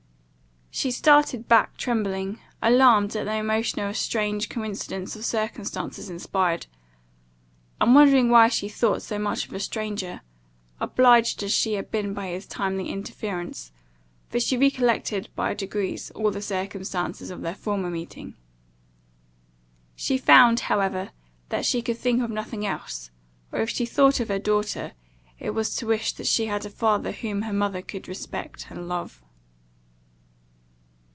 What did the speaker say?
She started back, trembling, alarmed at the emotion a strange coincidence of circumstances inspired, and wondering why she thought so much of a stranger, obliged as she had been by his timely interference; [for she recollected, by degrees all the circumstances of their former meeting.] She found however that she could think of nothing else; or, if she thought of her daughter, it was to wish that she had a father whom her mother could respect and love.